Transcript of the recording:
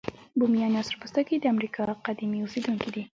بومیان یا سره پوستکي د امریکا قديمي اوسیدونکي دي.